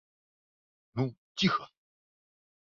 - Ну, цiха!